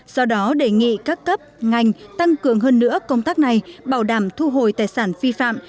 do đó đề nghị các cấp ngành tăng cường hơn nữa công tác này bảo đảm thu hồi tài sản vi phạm